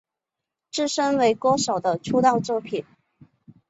自身为歌手的出道作品。